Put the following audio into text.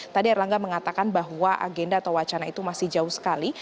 tadi erlangga mengatakan bahwa agenda atau wacana itu masih jauh sekali